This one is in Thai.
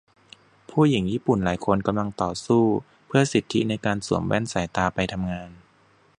ผู้หญิงญี่ปุ่นหลายคนกำลังต่อสู้เพื่อสิทธิในการสวมแว่นสายตาไปทำงาน